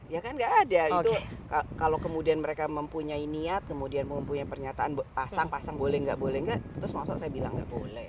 ya kan nggak ada itu kalau kemudian mereka mempunyai niat kemudian mempunyai pernyataan pasang pasang boleh nggak boleh nggak terus masa saya bilang nggak boleh